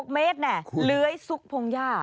๖เมตรเนี่ยเลื้อยซุกพงศ์ย่า